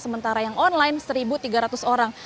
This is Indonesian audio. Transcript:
sementara yang online satu tiga ratus orang